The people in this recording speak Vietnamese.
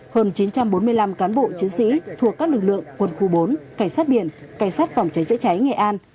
hơn chín trăm bốn mươi năm cán bộ chiến sĩ thuộc các lực lượng quân khu bốn cải sát biển cải sát phòng cháy chế cháy nghệ an